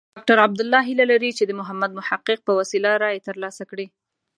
ډاکټر عبدالله هیله لري چې د محمد محقق په وسیله رایې ترلاسه کړي.